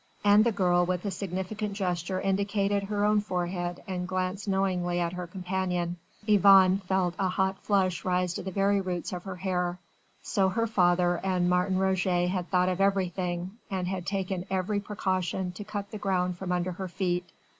And the girl with a significant gesture indicated her own forehead and glanced knowingly at her companion. Yvonne felt a hot flush rise to the very roots of her hair. So her father and Martin Roget had thought of everything, and had taken every precaution to cut the ground from under her feet.